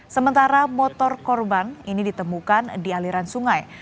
sementara motor korban ini ditemukan di aliran sungai